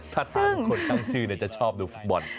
ถ้า๓คนตั้งชื่อจะชอบดูฟุตบอล